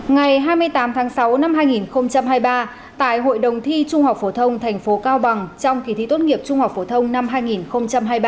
ngày hai mươi tám tháng sáu năm hai nghìn hai mươi ba tại hội đồng thi trung học phổ thông tp cao bằng trong kỳ thi tốt nghiệp trung học phổ thông năm hai nghìn hai mươi ba